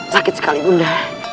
sakit sekali bunda